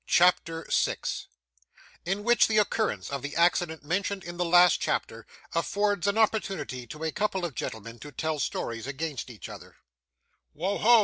CHAPTER 6 In which the Occurrence of the Accident mentioned in the last Chapter, affords an Opportunity to a couple of Gentlemen to tell Stories against each other 'Wo ho!